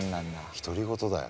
独り言だよ。